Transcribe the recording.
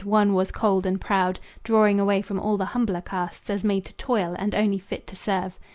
One was cold and proud, Drawing away from all the humbler castes As made to toil, and only fit to serve.